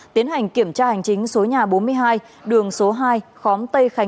tiến hành kiểm tra hành chính số nhà bốn mươi hai đường số hai khóm tây khánh